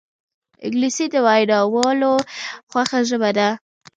انګلیسي د ویناوالو خوښه ژبه ده